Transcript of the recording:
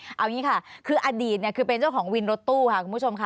เอาอย่างนี้ค่ะคืออดีตคือเป็นเจ้าของวินรถตู้ค่ะคุณผู้ชมค่ะ